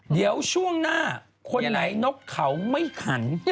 เดี๋ยวช่วงหน้าคนไหนนกเขาไม่ขัน